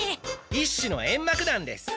一種の煙幕弾です。